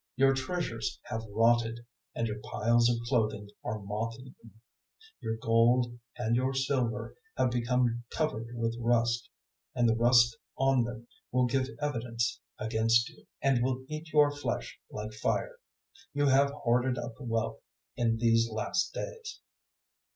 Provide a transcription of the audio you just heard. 005:002 Your treasures have rotted, and your piles of clothing are moth eaten; 005:003 your gold and your silver have become covered with rust, and the rust on them will give evidence against you, and will eat your flesh like fire. You have hoarded up wealth in these last days.